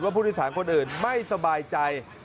ว่าผู้ที่สามารถคนอื่นไม่สบายใจ